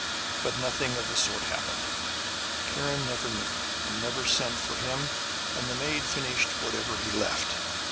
But nothing of the sort happened. Kiran never knew, and never sent for him; and the maid finished whatever he left.